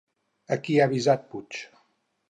A qui ha avisat Puig?